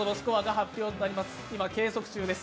今、計測中です。